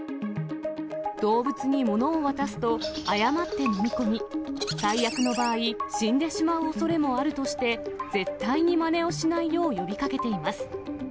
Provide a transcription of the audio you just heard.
動物にものを渡すと、誤って飲み込み、最悪の場合、死んでしまうおそれもあるとして、絶対にまねをしないよう呼びかけています。